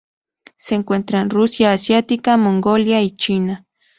Se encuentra en Rusia asiática, Mongolia y China.